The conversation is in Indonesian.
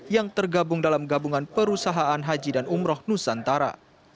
yang tergabung dalam gabungan perusahaan haji dan umroh nusantara